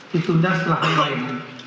ditunda setelah penyembahan